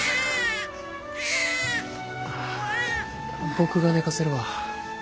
僕が寝かせるわ。